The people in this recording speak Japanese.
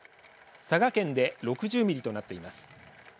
佐賀県で６０ミリとなっています。